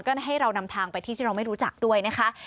ก็ให้เรานำทางไปที่ที่เราไม่รู้จักด้วยนะคะ